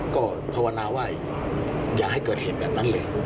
ก็ภาวนาว่าอย่าให้เกิดเหตุแบบนั้นเลย